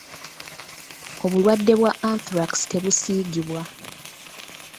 Obulwadde bwa Anthrax tebusiigibwa.